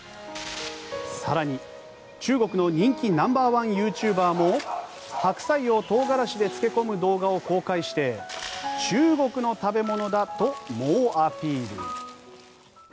更に、中国の人気ナンバーワンユーチューバーもハクサイをトウガラシで漬け込む動画を公開して中国の食べ物だと猛アピール。